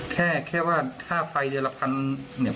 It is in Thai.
แค่ว่าค่าไฟเดียวละ๑๐๐๐เนี่ย